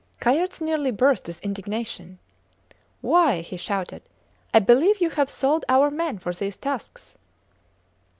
Kayerts nearly burst with indignation. Why! he shouted, I believe you have sold our men for these tusks!